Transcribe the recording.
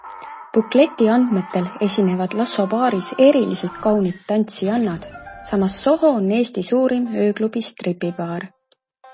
Bukleti andmetel esinevad Lasso Baaris eriliselt kaunid tantsijannad, samas Soho on Eestis suurim ööklubi-stripibaar.